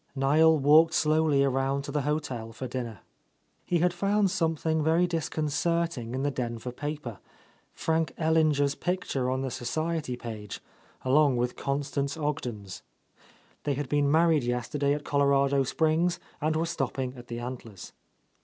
Niel walked slowly around to the hotel for dinner He had found something very disconcerting in the Denver paper: Frank Ellinger's picture on the society page, along with Constance Ogden's. — 127 —• Lost Lady They had been married yesterday at Colorado Springs, and were stopping at the Antlers.